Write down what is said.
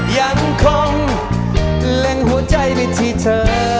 ยังคงเล็งหัวใจไปที่เธอ